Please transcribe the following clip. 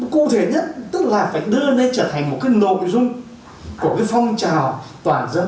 cụ thể nhất tức là phải đưa lên trở thành một cái nội dung của cái phong trào toàn dân